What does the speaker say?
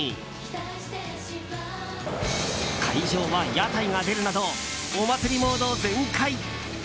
会場は屋台が出るなどお祭りモード全開。